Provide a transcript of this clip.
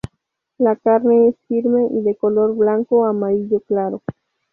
La carne es firme y de color blanco a amarillo claro.